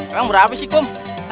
emang berapa sih kum